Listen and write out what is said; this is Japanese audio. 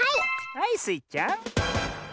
はいスイちゃん。